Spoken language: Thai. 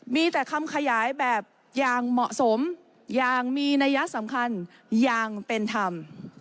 มีแต่คำขยายแบบอย่างเหมาะสมอย่างมีนัยสำคัญอย่างเป็นธรรม